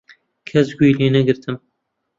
کەس گوێی لێنەگرتم.